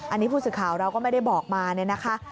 อันนี้ภูมิสุข่าวเราก็ไม่ได้บอกมานะคะ